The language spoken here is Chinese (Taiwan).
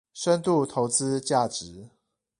深度投資價值